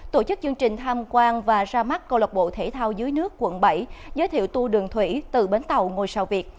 tổ chức chương trình tham quan và ra mắt câu lạc bộ thể thao dưới nước quận bảy giới thiệu tu đường thủy từ bến tàu ngôi sao việt